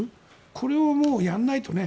これをもうやらないとね。